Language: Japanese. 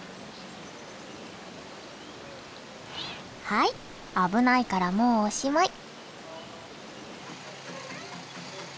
はい危ないからもうおしまい。